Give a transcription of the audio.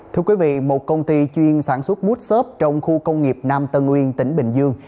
thưa quý vị một công ty chuyên sản xuất bút xốp trong khu công nghiệp nam tân nguyên tỉnh bình dương